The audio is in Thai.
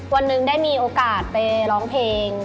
วันหนึ่งได้มีโอกาสไปร้องเพลง